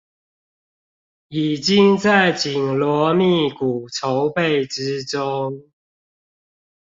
已經在緊鑼密鼓籌備之中